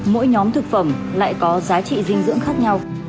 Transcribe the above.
mỗi nhóm thực phẩm lại có giá trị dinh dưỡng khác nhau